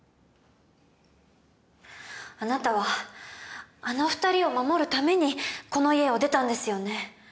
あなたはあの２人を守るためにこの家を出たんですよね？